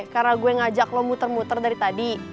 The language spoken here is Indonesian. karena gue ngajak lo muter muter dari tadi